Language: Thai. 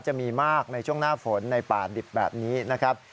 จะมีมากในช่วงหน้าฝนในป่าดิบแบบนี้นะครับ